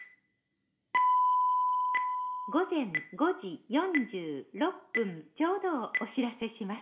「午前５時４６分ちょうどをお知らせします」。